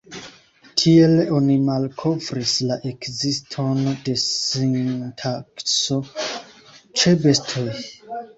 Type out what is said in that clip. Tiel oni malkovris la ekziston de sintakso ĉe bestoj.